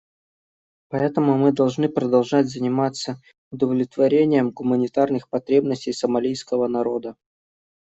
Поэтому мы должны продолжать заниматься удовлетворением гуманитарных потребностей сомалийского народа.